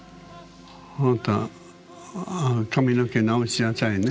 あなた髪の毛直しなさいね。